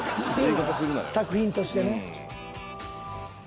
作品としてね。